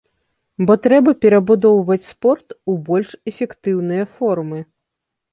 Бо трэба перабудоўваць спорт у больш эфектыўныя формы.